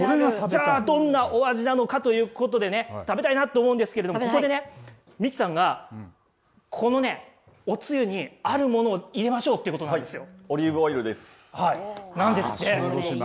じゃあ、どんなお味なのかということで食べたいなと思うんですけどここで、三木さんがこのおつゆにあるものを入れましょうということなんですよ。